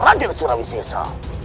raden surawi sesa